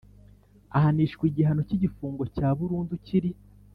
Ahanishwa igihano cy igifungo cya burundu kiri